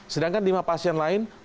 sedangkan lima pasien lainnya